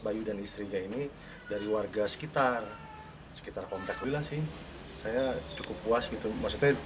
bayu dan istrinya ini dari warga sekitar sekitar komplek ulilan sih saya cukup puas gitu maksudnya